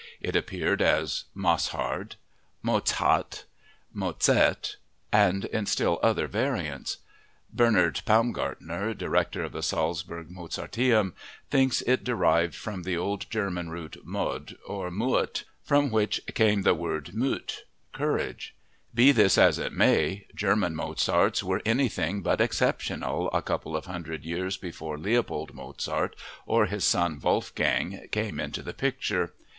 It appeared as "Mosshard," "Motzhart," "Mozert," and in still other variants. Bernhard Paumgartner, Director of the Salzburg Mozarteum, thinks it derived from the old German root mod, or muot, from which came the word Mut (courage). Be this as it may, German "Mozarts" were anything but exceptional a couple of hundred years before Leopold Mozart or his son, Wolfgang, came into the picture.